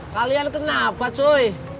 kalian kenapa cuy